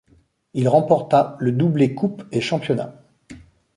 Il remporta le doublé Coupe et Championnat.